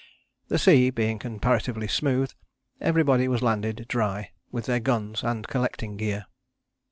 The sea being comparatively smooth, everybody was landed dry, with their guns and collecting gear.